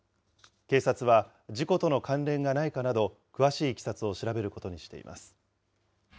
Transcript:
警察は、事故との関連がないかなど、詳しいいきさつを調べることにしています。